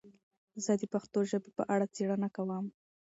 زه د پښتو ژبې په اړه څېړنه کوم.